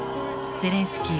ゼレンスキー！